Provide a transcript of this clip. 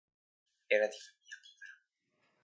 Era di famiglia povera.